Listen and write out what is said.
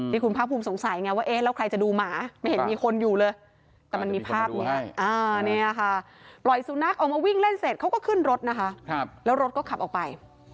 ที่คุณภาคภูมิสงสัยไงว่าเอ๊ะแล้วใครจะดูหมาไม่เห็นมีคนอยู่เลยแต่มันมีภาพนี้เนี่ยค่ะปล่อยสุนัขออกมาวิ่งเล่นเสร็จเขาก็ขึ้นรถนะคะแล้วรถก็ขับออกไป